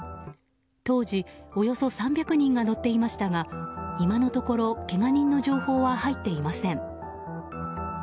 当時、およそ３００人が乗っていましたが今のところけが人の情報は入っていません。